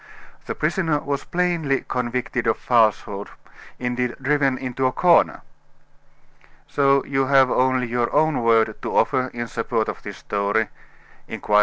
The prisoner was plainly convicted of falsehood, indeed driven into a corner. "So you have only your own word to offer in support of this story?" inquired M.